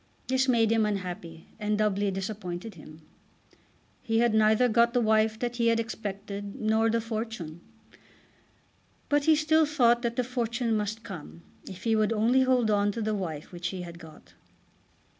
This made him unhappy, and doubly disappointed him. He had neither got the wife that he had expected nor the fortune. But he still thought that the fortune must come if he would only hold on to the wife which he had got.